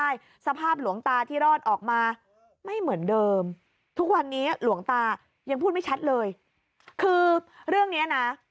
ยังพูดไม่ชัดเลยคือเรื่องนี้นะ